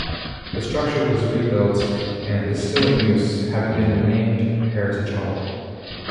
The structure was rebuilt and is still in use, having been renamed Heritage Hall.